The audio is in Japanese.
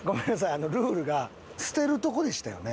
あのルールが捨てるとこでしたよね？